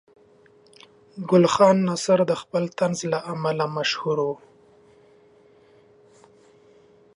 ګل خان ناصر د خپل طنز له امله مشهور و.